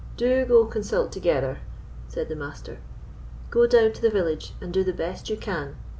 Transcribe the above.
"Do go consult together," said the Master; "go down to the village, and do the best you can.